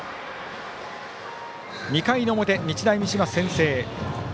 ２回の表、日大三島先制。